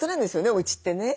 おうちってね。